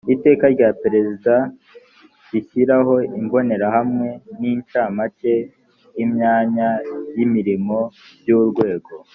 iteka rya perezida rishyiraho imbonerahamwe n incamake y imyanya y imirimo by urwego